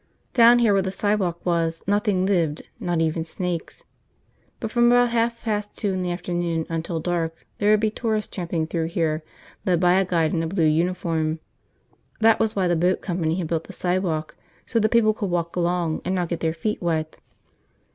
Down here where the sidewalk was, nothing lived, not even snakes. But from about half past two in the afternoon until dark there would be tourists tramping through here led by a guide in a blue uniform. That was why the boat company had built the sidewalk, so the people could walk along and not get their feet wet.